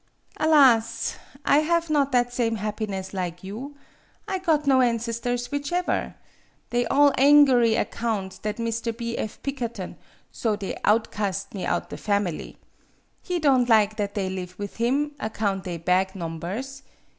"Alas! I have not that same happiness lig you. I got not ancestors whichever. They all angery account that Mr. B. F. Pik kerton, so they outcast me out the family. He don' lig that they live with him, account they bag nombers.